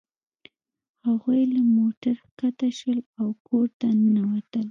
هغوی له موټر ښکته شول او کور ته ننوتل